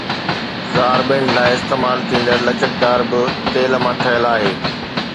زار band لاءِ استعمال ٿيندڙ لچڪدار به تيل مان ٺهيل آهي